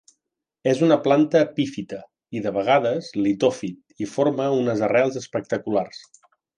És una planta epífita i, de vegades, litòfit i forma unes arrels espectaculars.